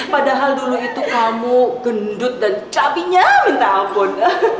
padahal dulu itu kamu gendut dan cabinya minta abon